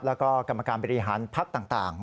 แล้วก็กรรมการบริหารพักต่าง